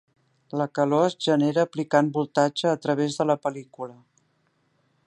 La calor es genera aplicant voltatge a través de la pel·lícula.